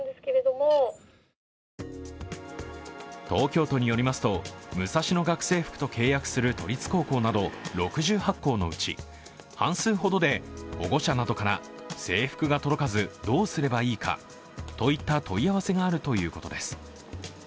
東京都によりますと、ムサシノ学生服と契約する都立高校など６８校のうち半数ほどで保護者などから制服が届かずどうすればいいかといった問い合わせがあるということです。